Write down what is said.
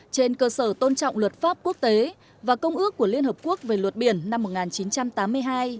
trên cơ sở tôn trọng luật pháp quốc tế và công ước của liên hợp quốc về luật biển năm một nghìn chín trăm tám mươi hai